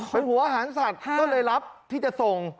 เป็นหัวหันศักดิ์ก็เลยรับที่จะทรง